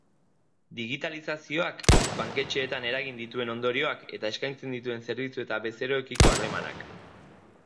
Digitalizazioak banketxeetan eragin dituen ondorioak, eta eskaintzen dituen zerbitzu eta bezeroekiko harremanak.